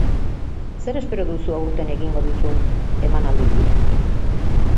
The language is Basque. Zer espero duzu aurten egingo duzun emanalditik?